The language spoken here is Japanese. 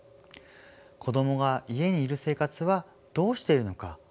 子どもが家にいる生活はどうしているのか